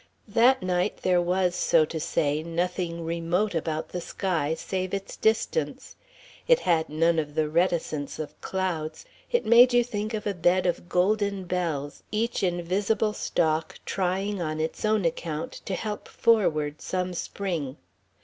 That night there was, so to say, nothing remote about the sky, save its distance. It had none of the reticence of clouds. It made you think of a bed of golden bells, each invisible stalk trying on its own account to help forward some Spring.